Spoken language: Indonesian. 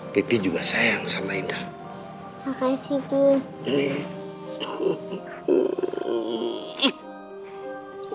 pipi juga sayang sama indah